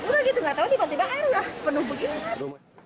udah gitu nggak tahu tiba tiba air udah penuh begitu mas